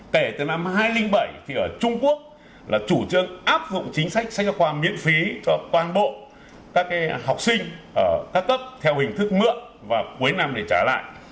kể từ năm hai nghìn bảy thì ở trung quốc là chủ trương áp dụng chính sách sách giáo khoa miễn phí cho toàn bộ các học sinh ở các cấp theo hình thức mượn và cuối năm để trả lại